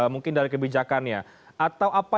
mungkin dari kebijakannya atau apa